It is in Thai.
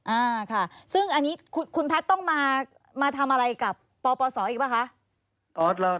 อ่าค่ะซึ่งอันนี้คุณแพทย์ต้องมาทำอะไรกับปปศอีกป่ะคะ